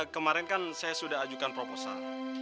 kemarin kan saya sudah ajukan proposal